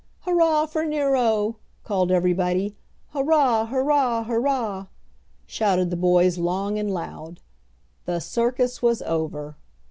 "Hurrah for Nero!" called everybody. "Hurrah! hurrah! hurrah!" shouted the boys long and loud. The circus was over!